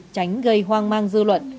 tránh gây hoang mang dư luận